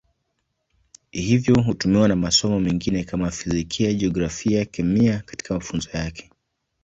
Hivyo hutumiwa na masomo mengine kama Fizikia, Jiografia, Kemia katika mafunzo yake.